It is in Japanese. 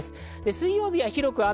水曜日は広く雨。